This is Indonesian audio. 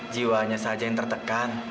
jiwanya saja yang tertekan